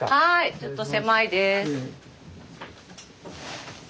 はいちょっと狭いです。